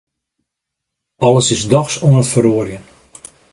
Alles is dochs oan it feroarjen.